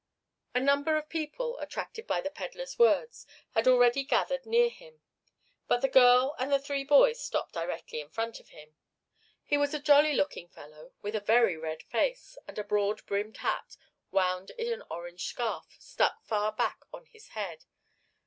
A number of people, attracted by the pedler's words, had already gathered near him, but the girl and the three boys stopped directly in front of him. He was a jolly looking fellow, with a very red face, and a broad brimmed hat, wound with an orange scarf, stuck far back on his head.